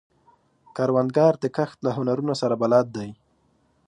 کروندګر د کښت له هنرونو سره بلد دی